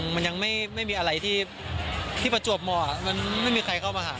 มันยังไม่มีอะไรที่ประจวบเหมาะมันไม่มีใครเข้ามาหา